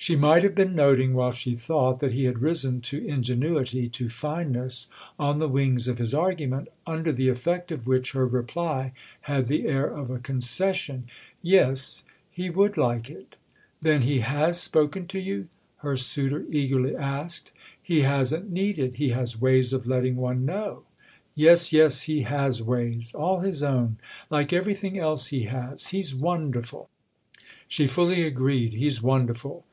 She might have been noting, while she thought, that he had risen to ingenuity, to fineness, on the wings of his argument; under the effect of which her reply had the air of a concession. "Yes—he would like it." "Then he has spoken to you?" her suitor eagerly asked. "He hasn't needed—he has ways of letting one know." "Yes, yes, he has ways; all his own—like everything else he has. He's wonderful." She fully agreed. "He's wonderful."